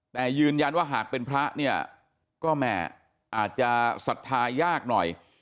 แต่ยืนยันว่าหากเป็นพระเนี่ยก็แม่อาจจะศรัทธายากหน่อย